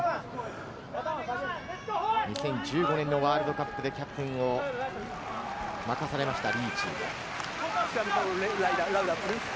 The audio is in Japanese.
２０１５年のワールドカップでキャプテンを任されました、リーチ。